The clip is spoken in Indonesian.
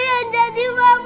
yang jadi mama abie